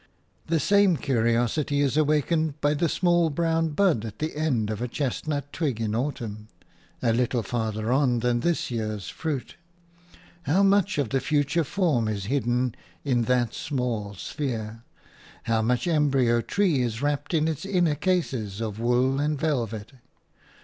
The same curiosity is awakened by the small brown bud at the end of a chestnut twig in autumn, a little farther on than this year's fruit. How much of the future form is hidden in that small sphere? How much embryo tree is wrapped in its inner cases of wool and velvet?